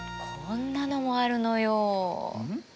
こんなのもあるのよ。